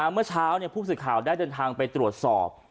เมื่อเช้าผู้สื่อข่าวได้เดินทางไปตรวจสอบ